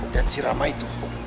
dan si rama itu